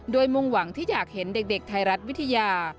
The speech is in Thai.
โดยมุ่งหวังที่อยากเห็นเด็กไทยรัฐวิทยา